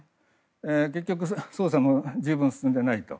結局、捜査も十分進んでいないと。